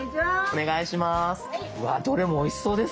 お願いします。